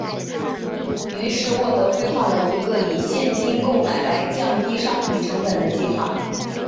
于是沃德规划了一个以现金购买来降低商品成本的计划。